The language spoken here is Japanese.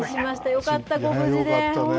よかった、ご無事で。